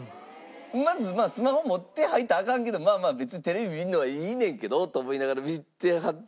まずまあスマホ持って入ったらアカンけどまあまあ別にテレビ見るのはいいねんけどと思いながら見てはって。